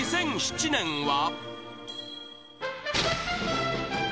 ２００７年は？